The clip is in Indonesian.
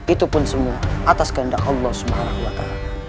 itu pun semua atas kehendak allah swt